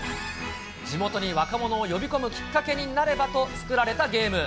地元に若者を呼び込むきっかけになればと、作られたゲーム。